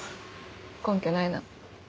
根拠ないな。